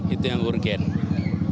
itu yang urgen itu yang penting